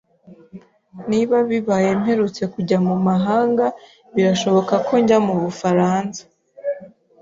Niba bibaye mperutse kujya mu mahanga, birashoboka ko njya mu Bufaransa.